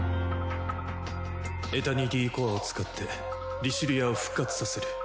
エタニティコアを使ってリシュリアを復活させる。